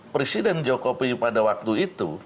presiden jokowi pada waktu itu